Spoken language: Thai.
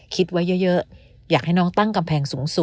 คิดไว้เยอะ